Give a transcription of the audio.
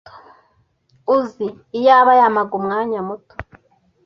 uzi iyaba yampaga umwanya muto